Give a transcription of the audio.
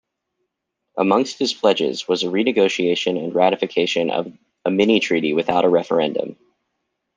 Amongst his pledges was a re-negotiation and ratification of a mini-treaty without a referendum.